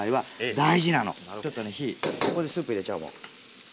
ここでスープ入れちゃうもう。